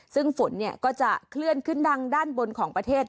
ซึ่งฝนก็จะเคลื่อนขึ้นทางด้านบนของประเทศ